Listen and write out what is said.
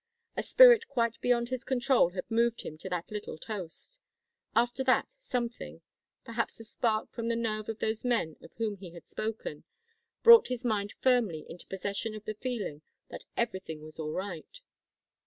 A spirit quite beyond his control had moved him to that little toast. After that, something perhaps a spark from the nerve of those men of whom he had spoken brought his mind firmly into possession of the feeling that everything was all right.